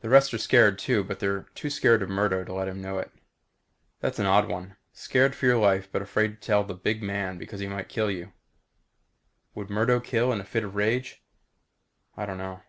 The rest are scared too, but they're too scared of Murdo to let him know it. That's an odd one. Scared for your life but afraid to tell the big man because he might kill you. Would Murdo kill in a fit of rage? I don't know.